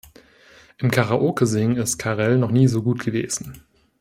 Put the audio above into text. Im Karaoke singen ist Karel noch nie so gut gewesen.